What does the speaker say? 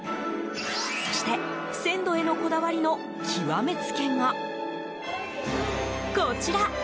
そして、鮮度へのこだわりの極めつけがこちら。